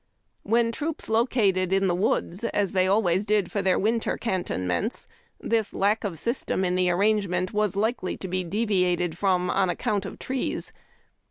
When troops located in the woods, as they always did for their winter cantonments, this lack of system in the arrangement was likely to be deviated from on account of trees.